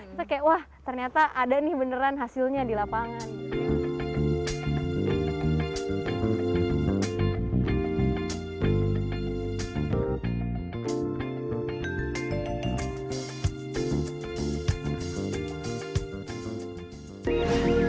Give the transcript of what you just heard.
kita kayak wah ternyata ada nih beneran hasilnya di lapangan